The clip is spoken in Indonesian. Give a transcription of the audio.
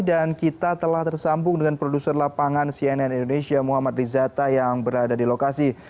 dan kita telah tersambung dengan produser lapangan cnn indonesia muhammad rizata yang berada di lokasi